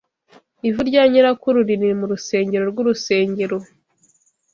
Ivu rya nyirakuru riri mu rusengero rwurusengero.